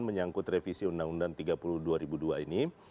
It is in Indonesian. menyangkut revisi undang undang tiga puluh dua ribu dua ini